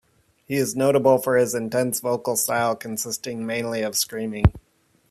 He is notable for his intense vocal style, consisting mainly of screaming.